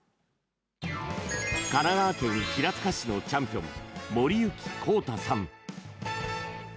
神奈川県平塚市のチャンピオン森行孝汰さん。